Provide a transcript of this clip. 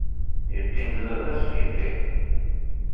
Yeqqim-d baba-s yeqqim.